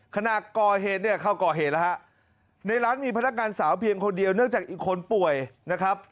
ขณะก่อเหตุเนี่ยเข้าก่อเหตุแล้วฮะในร้านมีพนักงานสาวเพียงคนเดียวเนื่องจากอีกคนป่วยนะครับ